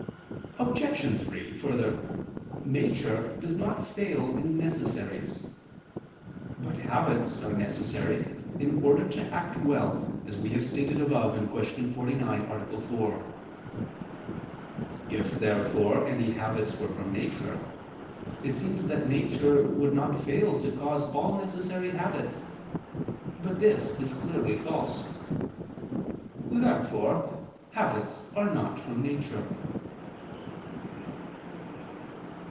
Obj. 3: Further, nature does not fail in necessaries. But habits are necessary in order to act well, as we have stated above (Q. 49, A. 4). If therefore any habits were from nature, it seems that nature would not fail to cause all necessary habits: but this is clearly false. Therefore habits are not from nature.